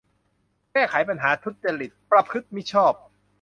แก้ไขปัญหาทุจริต ประพฤติมิชอบ